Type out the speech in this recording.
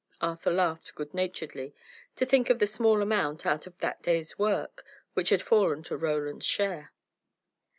Arthur laughed good naturedly, to think of the small amount, out of that day's work, which had fallen to Roland's share.